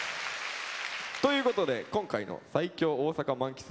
ということで今回の最強大阪満喫